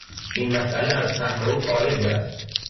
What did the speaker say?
این مسئله از فهم او خارج است.